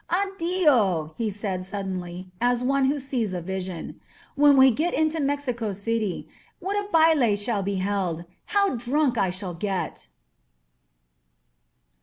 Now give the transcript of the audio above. Adior* he said suddenly, as one who sees a vision. ^^When we get into Mexico City what a baUe shall be held! How drunk I shall get!